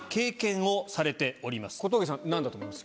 小峠さん何だと思います？